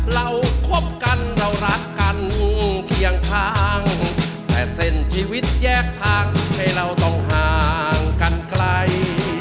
เราคบกันเรารักกันเพียงทางแต่เส้นชีวิตแยกทางให้เราต้องห่างกันไกล